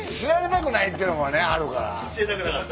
教えたくなかった？